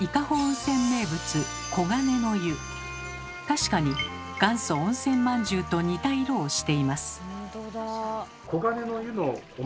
確かに元祖温泉まんじゅうと似た色をしています。